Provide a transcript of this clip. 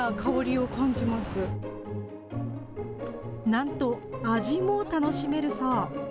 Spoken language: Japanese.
なんと、味も楽しめるそう。